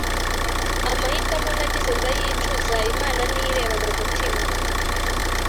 amahitamo nagize ndayicuza, imana niyo ireba m’umutima